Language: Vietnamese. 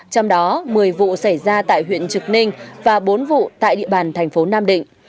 trong đó một mươi vụ xảy ra tại huyện trực ninh và bốn vụ tại địa bàn thành phố nam định